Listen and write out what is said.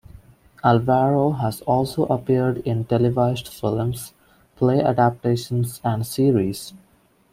Alvaro has also appeared in televised films, play adaptations, and series.